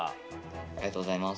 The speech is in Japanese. ありがとうございます。